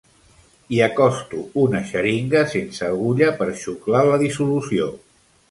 Hi acosto una xeringa sense agulla per xuclar la dissolució.